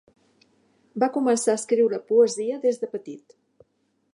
Va començar a escriure poesia des de petit.